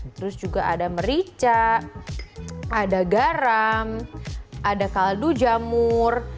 terus juga ada merica ada garam ada kaldu jamur